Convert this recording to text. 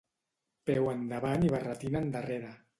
Peu endavant i barretina endarrere.